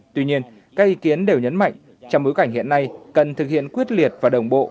tuy nhiên các ý kiến đều nhấn mạnh trong bối cảnh hiện nay cần thực hiện quyết liệt và đồng bộ